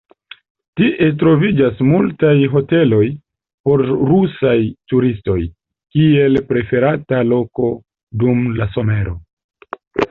Tie troviĝas multaj hoteloj por rusaj turistoj, kiel preferata loko dum la somero.